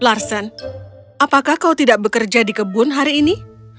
larsen apakah kau tidak bekerja di kebun hari ini